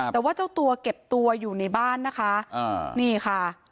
แต่ว่าเจ้าตัวเก็บตัวอยู่ในบ้านนะคะนี่ค่ะ